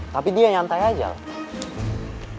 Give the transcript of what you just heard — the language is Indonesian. tapi dia nyantai aja lah